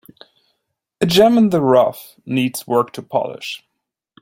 A gem in the rough needs work to polish.